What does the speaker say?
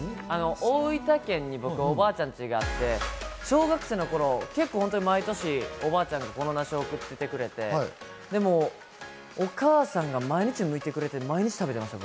大分県に僕のおばあちゃん家があって小学生の頃、結構本当に毎年、おばあちゃんがこの梨を送ってきてくれて、お母さんが毎日むいてくれて毎日食べてました。